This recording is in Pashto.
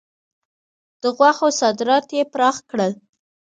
د غوښو صادرات یې پراخ کړل.